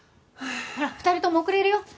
ほら２人とも遅れるよ。